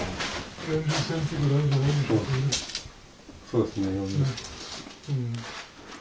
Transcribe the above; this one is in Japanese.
そうですね４０。